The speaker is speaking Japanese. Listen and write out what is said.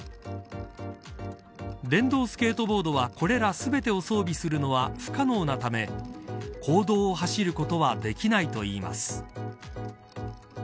電動スケートボードはこれら全てを装備するのは不可能なため公道を走ることはできないといいます。